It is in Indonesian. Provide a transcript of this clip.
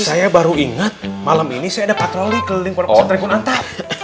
saya baru ingat malam ini saya ada patroli ke lingkungan pesatrikun antar